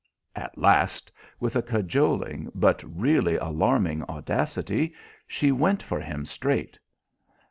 At last, with a cajoling but really alarming audacity, she went for him straight.